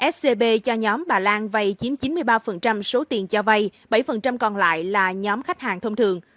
scb cho nhóm bà lan vay chiếm chín mươi ba số tiền cho vay bảy còn lại là nhóm khách hàng thông thường